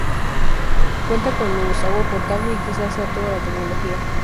Cuenta con luz, agua potable y quizá sea toda la tecnología.